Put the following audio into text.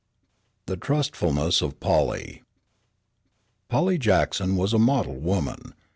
THE TRUSTFULNESS OF POLLY Polly Jackson was a model woman.